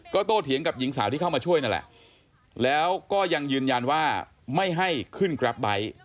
โตเถียงกับหญิงสาวที่เข้ามาช่วยนั่นแหละแล้วก็ยังยืนยันว่าไม่ให้ขึ้นกราฟไบท์